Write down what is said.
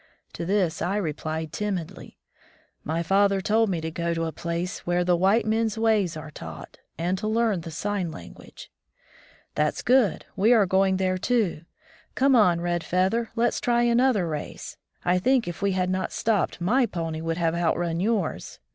To this I replied timidly: "My father told me to go to a place where the white men's ways are taught, and to learn the sign language." "That's good — we are going there too! Come on, Red Feather, let's try another race ! I think, if we had not stopped, my pony would have outrun yours.